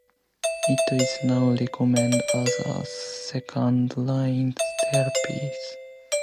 It is now recommended as a second-line therapy.